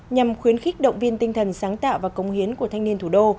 nhằm khuyến khích động viên tinh thần sáng tạo và công hiến của thanh niên thủ đô